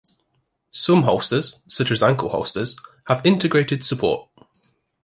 Some holsters, such as ankle holsters, have integrated support.